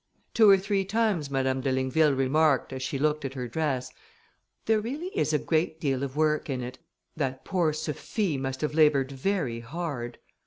Two or three times Madame de Ligneville remarked, as she looked at her dress, "There really is a great deal of work in it; that poor Sophie must have laboured very hard."